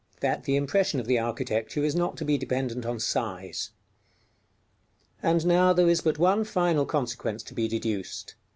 That the impression of the architecture is not to be dependent on size. And now there is but one final consequence to be deduced.